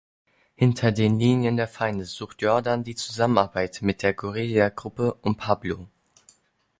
Hinter den Linien der Feinde sucht Jordan die Zusammenarbeit mit der Guerillagruppe um Pablo.